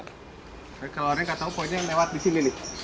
keluar itu saya tidak tahu pokoknya lewat di sini nih